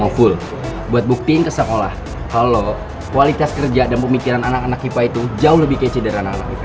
woy lu semua pada buta